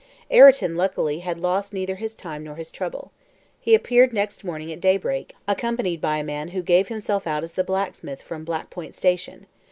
Ayrton luckily had lost neither his time nor his trouble. He appeared next morning at daybreak, accompanied by a man who gave himself out as the blacksmith from Black Point Station.